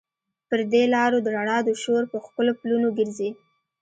پر دې لارو د رڼا د شور، په ښکلو پلونو ګرزي